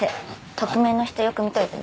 匿名の人よく見といてね。